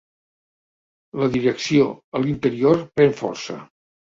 La direcció a l'interior pren força.